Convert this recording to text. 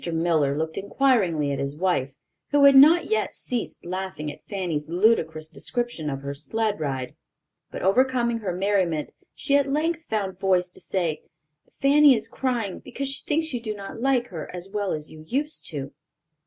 Miller looked inquiringly at his wife, who had not yet ceased laughing at Fanny's ludicrous description of her sled ride; but overcoming her merriment, she at length found voice to say, "Fanny is crying because she thinks you do not like her as well as you used to."